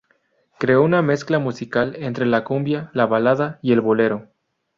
Creó una mezcla musical entre la cumbia, la balada y el bolero.